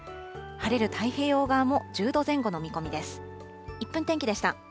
晴れる太平洋側も１０度前後の見込みです。